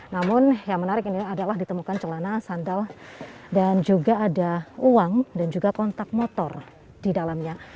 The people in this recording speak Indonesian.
namun yang menarik ini adalah ditemukan celana sandal dan juga ada uang dan juga kontak motor di dalamnya